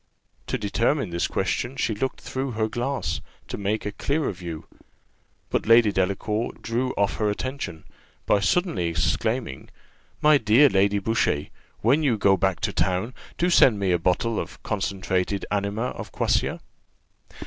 To determine this question, she looked through her glass, to take a clearer view; but Lady Delacour drew off her attention, by suddenly exclaiming "My dear Lady Boucher, when you go back to town, do send me a bottle of concentrated anima of quassia."